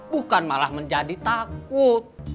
bukan malah menjadi takut